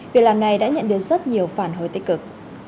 việc làm này đã nhận được rất nhiều phản hồi tích cực